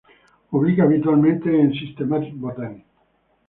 Publica habitualmente en Systematic Botany.